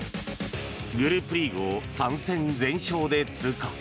グループリーグを３戦全勝で通過。